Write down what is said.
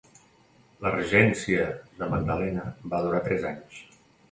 La regència de Magdalena va durar tres anys.